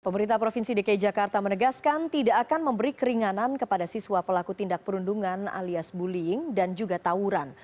pemerintah provinsi dki jakarta menegaskan tidak akan memberi keringanan kepada siswa pelaku tindak perundungan alias bullying dan juga tawuran